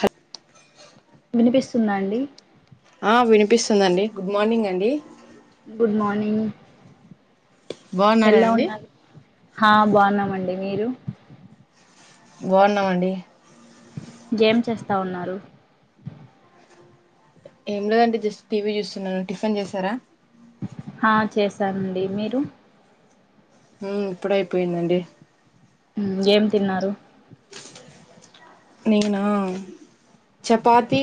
హ వినిపిస్తుందా అండి. ఆ వినిపిస్తుందండి. గుడ్ మార్నింగ్ అండి. Good morning. బావున్నారా ఎలా అండి. ఉన్నారు హా బావున్నామండి. మీరు? బాగున్నామండి ఏం చేస్తా ఉన్నారు ఏం లేదండి జస్ట్ టీవీ చూస్తున్నాను టిఫిన్ చేసారా ఆ చేశానండి మీరు ఉమ్ ఇప్పుడే అయిపోయింది అండి ఉ ఏం తిన్నారు నేనా చపాతి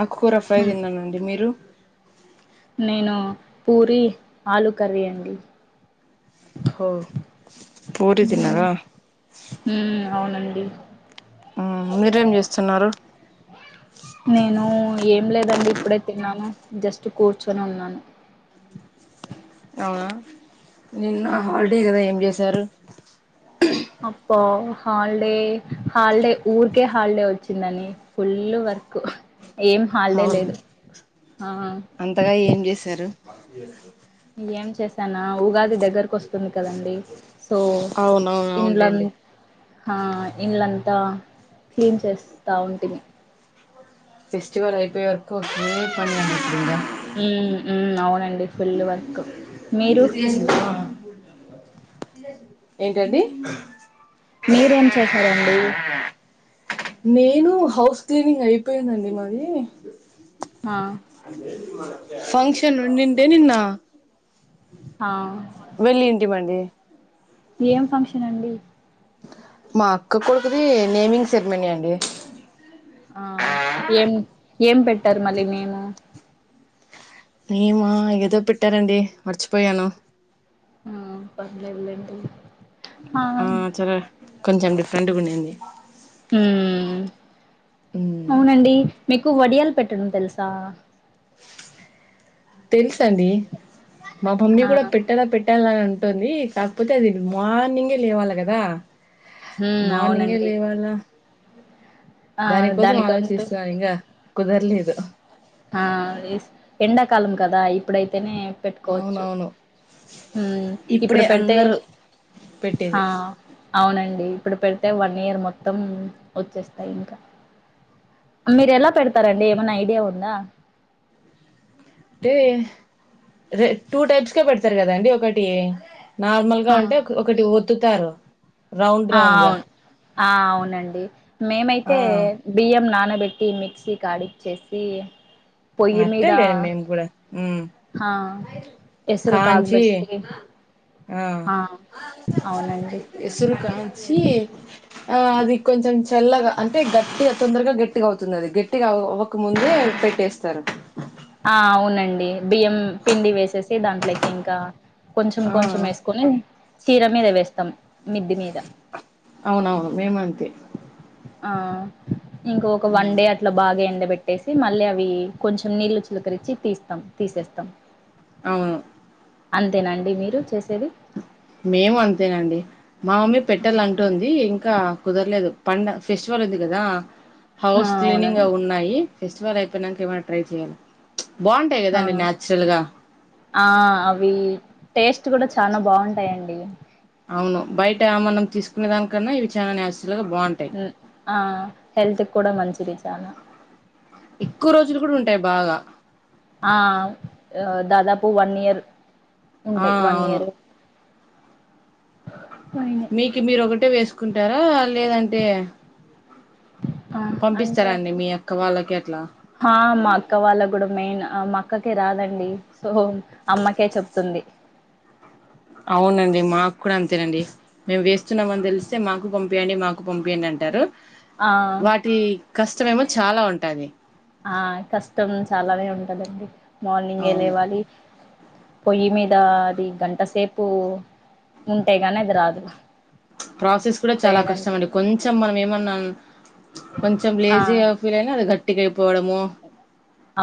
ఆకూర ఫ్రై హ్మ్. తిన్నానండి మీరు నేను పూరి ఆలు కర్రీ అండి హొ ఉ ఉ అవునండి ఉమ్ మీరేం చేస్తున్నారు నేను ఏం లేదండి ఎప్పుడే తినను జస్ట్ కూర్చొని ఉన్నాను అవునా నిన్న మ్మ్ హాలిడే కదా ఏం చేసారు అ అప్ప హాలిడే హాలిడే ఊరికే హాలిడే వచ్చిందని ఫుల్ వర్క్ కు ఏం హాలిడే అవును లేదు ఆ బకీ ఎంత ఏం చేసానా ఉగాది దగ్గరకు వస్త టుంది కదండి సో అవునవును ఇంట్ల అవునులేండి ఆ ఇంలంతా క్లీన్ చేస్తా ఉంటిమి ఫెస్టివల్ అయిపోయవరకు ఒకే పని అనుకుందాం ఉ ఉ అవునండి ఫుల్ వర్క్ మీరు ఏంటండి డి నేను హౌస్ క్లీనింగ్ అయిపోయిందండి మాది ఆ ఫంక్షన్ ఉండిండే నిన్న ఆ వెళ్ళింటిమండి ఏం ఫంక్షన్ అండి మా అక్క కొడుకుది నేమింగ్ సెరిమనీ అండి ఆ ఏం ఏం పెట్టారు మళ్ళీ నేము నేమా ఏదో పెట్టారండి మర్చిపోయాను ఆ పర్లేదు లెండి ఆ చాలా కొంచెం డిఫరెంట్గా ఉండంది ఉమ్ మ్ అవునండి మీకు వడియాలు పెట్టడం తెలుసా తెలుసండి మా మమ్మీ ఆ కూడా పెట్టలా పెట్టాలంట ఉంటుంది కాకపోతే అది మార్నింగే లేవాలి కదా ఉమ్ మార్నింగే అవునండి లేవాలా ఆ దాని కోసం దానికంటూ ఆలోచిస్తాన్నాను ఇంకా కుదరలేదు ఆ ఎస్ ఎండాకాలం కదా ఇప్పుడైతేనే పెట్టుకోవచ్చు అవునవును ఉమ్ ఇప్పుడు ఇప్పుడే పెడితే అందరూ హా పెట్టేది అవునండి ఇప్పుడు పెడితే వన్ ఇయర్ మొత్తం వచ్చేస్తాయి ఇంకా మీరు ఎలా పెడతారండి ఏమైనా ఐడియా ఉందా అంటే ర టూ టైప్స్ గా పెడతారు కదాండి ఒకటి నార్మల్ గా ఆ ఉంటే ఒకటి ఒత్తుతారు రౌండ్ ఆ రౌండ్ గా అవును ఆ అవునండి ఆ మేమైతే బియ్యం నన పెట్టి మిక్సీ ఆడిచేసి అంతెలేండి మేము కూడా ఉమ్ ఆ ఎసురు కాంచి కాగబెట్టి ఆ అవునండి ఎసరు కంచి ఆ అది కొంచెం చల్లగా అంటే గట్టిగా తొందరగా గట్టిగా అవుతుంది అది గట్టిగా అవకముందే పెట్టే స్తారు ఆ అవునండి బియ్యం పిండి వేసేసి దాంట్లోకి ఇంకా కొంచెం ఆ కొంచెం వేసుకొని చీర మీద వేస్తాం మిద్ది మీద అవునవును మేమంతే ఆ ఇంక ఒక వన్ డే అట్ల బాగా ఎండబెట్టేసి మళ్ళీ అవి కొంచెం నీళ్ళు చల్ చిలకరిచ్చి తీస్తాం తీసేస్తాం అవును అంతేనా అండి మీరు చేసేది మేము అంతేనండి మా మమ్మీ ఆ పెట్టాలంటుంది ఇంకా కుదరలేదు పండ ఫెస్టివల్ ఉది కదా ఆ! హౌస్ క్లీనింగ్ అవునండి అవి ఉన్నాయి ఫెస్టివల్ అయిపోయినాక ఏమైనా ట్రై చేయాలి అంతే ఆ కదండి నాచురల్ గా ఆ అవి టేస్ట్ కూడా చానా బాగుంటాయం డి అవును బయట ఆ మనం తీసుకునే దానికన్నా ఇవి చాలా నాచ్ ఉమ్ ఆ హెల్త్ కూడా మంచిది చానా ఎక్కువ రోజులు కూడా ఉంటాయి బాగా ఆ దాదాపు ఉ వన్ ఇయర్ ఆ! ఉంటాయి వన్ అవును. ఇయర్ మీకు మీరు ఒకటే వేసుకుంటారా లేదంటే ఆ అంటే పంపిస్తారా అండి మీ అక్క వాళ్ళకి అట్లా? హా మా అక్క వాళ్ళ కూడా మెయిన్ ఆ మా అక్కకే రాదండి సో అమ్మకే చెప్తుంది అవునండి మాకు కూడా అంతేనండి మేము వేస్తున్నామని తెలిస్తే మాకు పంపియండి మాకు పంపియండి అంటారు ఆ! వాటి కష్టమేమో చాలా ఉంటాది ఆ కష్టం చాలానే ఉంటదండి మార్నింగ్ ఎ అవును లేవాలి పోయ్యి మీద్ దా అది గంట సేపు ఉంటే గానీ అది రాదు ప్రాసెస్ కూడా చాలా కష్టం వేయడానికి. అండి కొంచెం మనం ఏమన్నా కొంచెం ఆ! లేజీగా ఫీల్ అయినా అది గట్ ట్టిగా అయిపోవడము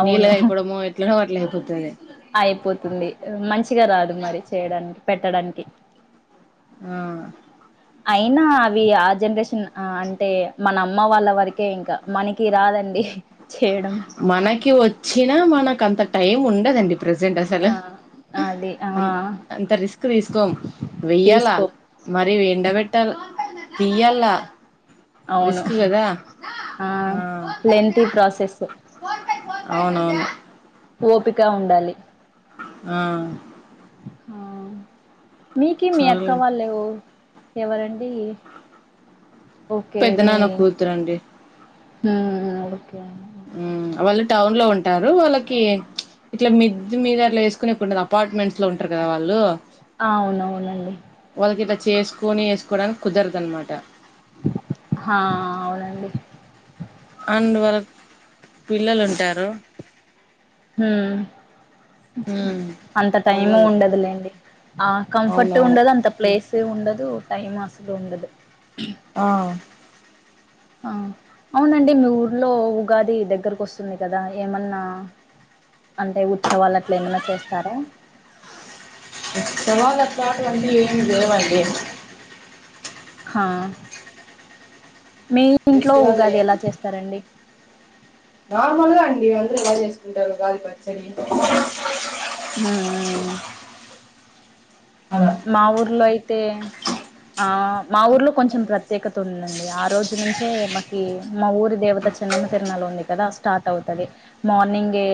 అవును. నీళ్ళగా అయిపోవడము ఎట్లనో అట్ల అయిపోతుంది అయిపోతుంది మంచిగా రాదు మరి చేయడానికి పెట్టడానికి ఆ అయినా అవి ఆ జనరేషన్ ఆ అంటే మన అమ్మ వాళ్ళ వరకే ఇంకా మనకి రాదండి చేయడం. మనకి వచ్చినా మనకు అంత టైం ఉండదండి ప్రజెంట్ అసలు ఆదే అన్ అంత రిస్క్ తీసుకోం వెయ్యాలా తీసుకోం. మరి ఎండబెట్టాల తియ్యాల అవును రిస్క్ కదా ఆ లెంతీ ప్రాసెస్ అవునవును ఓపిక ఉండాలి ఆ ఆ మీకీ మీ చాలు అక్కవళ్ లేవ్ ఎవరండి ఓకే మీ పెద్దనాన్న కూతురండి ఆ ఓకే ఓకే ఉమ్ వాళ్ళు టౌన్ లో ఉంటారు వాళ్ళకి ఇట్లా మిద్ మీద అట్ల వేసుకునేకి ఉండదు అపార్ట్మెంట్స్ లో ఉంటారు కదా వాల్ ఆ వునవునండి వాళ్ళకి ఇట్ల చేసుకుని వేసుకోవడానికి కుదరదు అనమాట హా అవునండి అండ్ వారక్ పిల్లలుంటారు ఉమ్. మ్మ్ అంత టైంము అవ్వదు ఉండదులేండి ఆ కంఫర్ట్ అవునవును ఉండదు అంత ప్లేస్. సే ఉండదు టైం అస్సలు ఉండదు. ఆ ఆ అవునండి మీ ఊర్లో ఉగాది దగ్గరకు వస్తుంది గదా ఏమన్నా అంటే ఉత్సవాలు అట్లా ఏమైనా చేస్తారా. ఉస్సవాలు అట్లాంటివన్నీ ఏం లేవండి. ఆ మీ ఇంట్లో ఫెస్టివల్ ఉగాది ఎలా చేస్తారండి. నార్మల్గా అండి అందరు ఎలా జేసుకుంటారు ఉగాది పచ్చడి. ఉమ్ ఉమ్ ఉమ్. అలా మా ఊర్లో ఐతే. ఆ మా ఊర్లో కొంచెం ప్రత్యేకత ఉందండి ఆ రోజు నుంచే మాకి మా ఊరి దేవత చెన్న. మ తిర్నాలుంది కదా స్టార్ట్ అవుతది మార్నింగే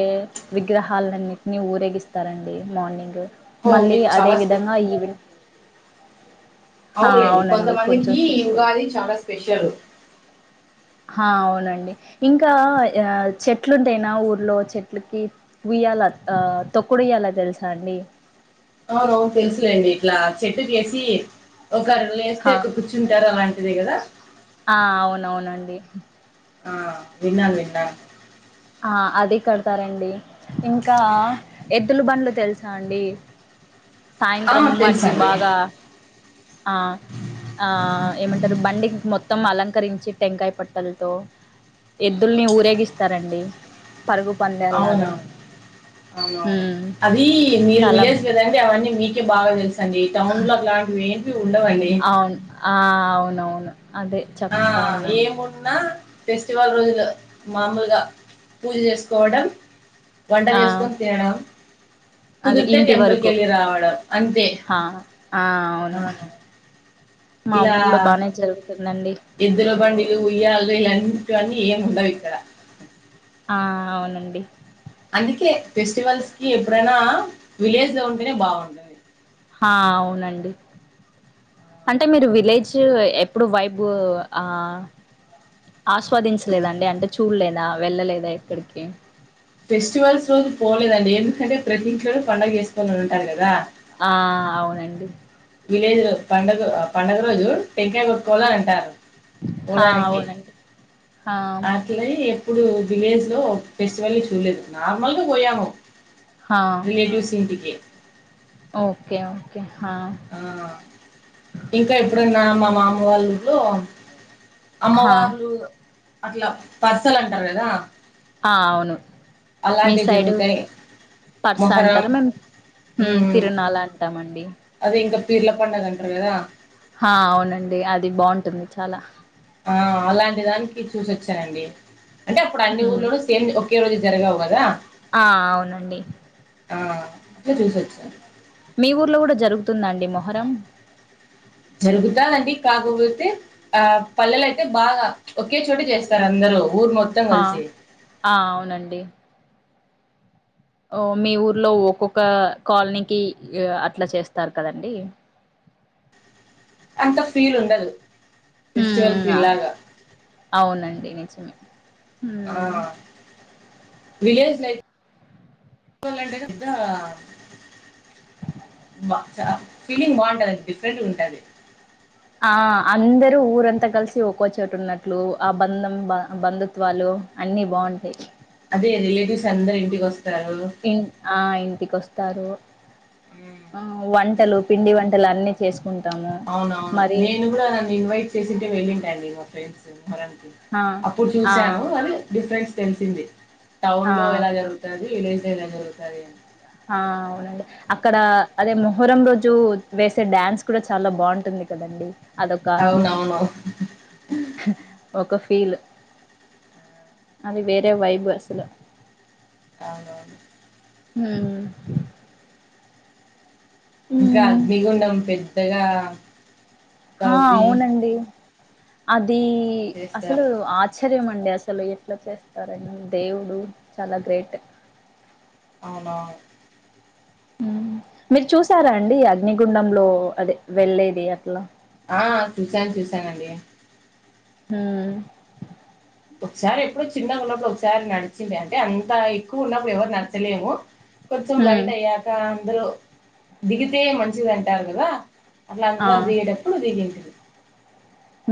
విగ్రహాలన్నిటిని ఊరేగిస్త. స్థారండి మనింగ్ ఓ మళ్ళీ మీకు అదే చాలా స్పె విదంగా. ఆ అవునలేండి అవునండి కొంచెం కొంతమందికి స్పెషల్ ఉగాది చాలా స్పెషలు. హా అవునండి ఇంకా ఆ చెట్లుంటాయినా ఊర్లో చెట్లకి. ఇ్యలా ఆ తొక్కుడియ్యల తెలుసా అండి. అవును తెలుసులేండి ఇట్లా చెట్టు కేసి. ఒకరు లేస్తే హా ఒక కూర్చుంటారు అలాంటిదే గాదా. ఆ అవునవునండి ఆ విన్నా విన్నా. ఆ అది కడతారండి. ఇంకా ఎద్దులు బడ్లు తెలుసా అండి. ఆ సాయంత్రం వాటికి తెలుసండి బాగా ఆ. ఆ ఏమంటారు బండికి మొత్తం అలంకరించి టెంకాయ పట్టలతో. ఎద్దుల్ని ఊరేగిస్తారండి. పరుగు పందేలాగా. అవునవును అవునవును అది మీరు చాలా విలేజ్ గదండి అవన్నీ మీ. బాగా తెలుసండి ఈ టౌన్ లో అలాంటివేమ్. అవున్ ఆ అవునవును. అదే ఆ చెప్తా ఉన్నాను ఏమున్నా. ఫెస్టివల్ రోజులు మామూలుగా పూజ చేసుకోవడం. వంట ఆ చేస్కొని తినడం. అదే కుదిరితే ఇంటి టెంపుల్ వరకు కేళ్ళి రావడం అంతే ఆ అవును. మా ఇలా ఊర్లో బానే జరుగుతుందండి ఎద్దుల బండిలు ఉయ్యాళ్ళు ఇలాంటి. కానీ ఏం ఉండవ్ ఇక్కడ. ఆ అవునండి అందుకే ఫెస్టివల్స్ కి ఎప్పుడైనా విలేజ్ లో ఉంటేనే బాగుంటది. హ అవునండి. అంటే మీరు విలేజ్ ఎప్పుడు వైబు ఆ. ఆస్వాదించలేదండి అంటే చూడలేదా వెళ్ళలేదా ఎక్కడికి. ఫెస్టివల్స్ రోజు పోలేదండి ఎందుకంటే ప్రతి ఇంట్లోను పండుగ చేసుకొని ఉంటారు గాద. ఆ అవునండి. విలేజ్ లో పండుగ ఆ పండుగ రోజు టెంకాయ కొట్టుకోవాలని అంటారు. హా ఉడానికి అవునండి హా అట్లే. ఇప్పుడు విలేజ్ లో ఫెస్టివల్ ని చూలేదు నార్మల్ గా పోయాము. హా రెలెటివ్స్ ఇంటికి. Okay okay. హా ఆ ఇంకా ఎప్పుడన్నా మా మామ వాళ్ళ ఊర్లో. హా అమ్మవార్లు అట్లా పర్సల్ అంటారు గాద. ఆ అవును మీ సైడు జరుగుతాయి పర్స మొహరం అంటారు మేము ఉ తిరునాలంటామండి ఇంగ పీర్ల పండగ అంటరు కదా హ అవునండి అది బాగుంటుంది చాలా ఆ అలాంటి దానికి చూసోచ్చానండి అంటే అప్పుడు అన్ని హ్మ్ ఊర్లోనూ సేమ్ ఒకే ఒకేరోజే జరగవు గదా ఆ అవునండి ఆ ఇప్పుడే చూసోచ్చాను మీ ఊర్లో కూడా జరుగుతుంద అండీ మొహరం జరుగుతాదండి కాకపోతే ఆ పల్లెలు అయితే బాగా ఒకే చోట చేస్తారు అందరు ఊర్ మొత్తం హా కలిసి ఆ అవునండి ఓ మీ ఊర్లో ఒక్కొక్క కాలనీకి ఇ అట్లా చేస్తారు కదండి [inaudible] అంత ఫీల్ ఉండదు ఫెస్టివల్ ఫీల్ లాగ దే నీచమే ఆ విలేజ్ లై [unintelligible] లంటెనె అబ చ ఫీలింగ్ బాగుంటదది డిఫరెంట్ ఉంటది ఆ అందరూ ఊరంతా కలిసి ఒక్కోచోటు ఉన్నట్లు ఆ బంధం బ బంధుత్వాలు ఉ అన్ని బాగుంటయి ఇగ రిలేటివ్స్ అందరు ఇంటికి వస్ ఇం ఆ ఇంటికొస్తారు ఆ వంటలు పిండి వంట టలన్నీ చేసుకున్ అవునవును నేను కూడా నను ఇన్వైట్ చేసింటే వెళ్ళింటండి మా ఫ్రెండ్స్ మొహరనికి ఆ అప్పుడు ఆ చూసాను అది డిఫరెన్ట్స్ తెలిసింది టౌన్ ఆ లో ఎలా జరుగుతాది అని విలేజ్ లో ఎలా జరుగుతది అని ఆ అవునండి అక్కడ అదే మొహరం రోజు వేసే డాన్స్ కూడా చాలా బాగుంటుంది తె కదండి అది ఒక అవునవును ఒక ఫీలు అది వేరే వైబ్ అసలు అవునవును ఊ ఇంకా అగ్నిగుండం పెద్దగా ఆ తవ్వి అవునండి అది అసలు చేస్తారు ఆశ్చర్యం అండి అండి అసలు ఎట్లా చేస్తారన్ దేవుడు చాలా గ్రేట్ అవునా ఉమ్ మీరు చూసారా అండి అగ్నిగుండంలో అదే వెళ్ళేది అట్లా ఆ చూసాను చూసానండి ఊ ఒకసారి ఎప్పుడో చిన్నగున్నపుడు ఒకసారి నడిచింది అంటే అంత ఎక్కువ ఉన్నప్పుడు ఎవరు నడతలేరు కొంచెం ఉమ్ లైట్ అయ్యాక అందరూ దిగితే మంచిదంటారు కదా అట్లా ఆ అందరు దిగేటప్పుడు దిగింటిని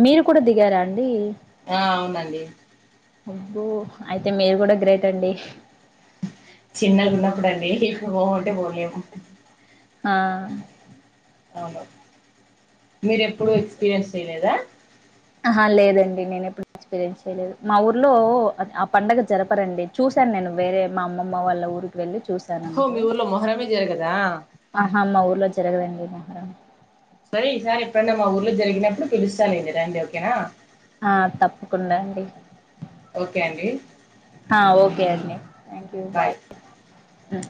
మీరు కూడా దిగారా అండి ఆ అవునండి అబ్బో అయితే మీరు కూడా గ్రేట్ అండి చిన్నగున్నప్పుడండి ఇప్పుడు పోమంటే పోలేము ఆ అవును మీరు ఎప్పుడు ఎక్స్పీరియన్స్ చేయలేదా ఆ లేదండి నేను ఎప్పుడు ఎక్స్పీరియన్స్ చేయలేదు మా ఊర్లో ఆ పండగ జరపరండి చూశాను నేను వేరే మా అమ్మ వాళ్ళ ఊరికి వెళ్ళి చు ఓ చూసానంతే మీ ఊర్లో మొహరమే జరగదా ఆహా మా ఊర్లో జరగదండి మొహరం సరే ఈ సారి ఎప్పుడన్నా మా ఊర్లో జరిగినప్పుడు పిలుస్తాలెండి ఓకేనా ఆ తప్పకుండా అండి ఓకే అండి ఆ ఓకే అండి థ్యాంక్ యూ బాయ్ ఉమ్